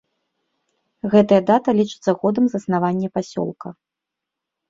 Гэтая дата лічыцца годам заснавання пасёлка.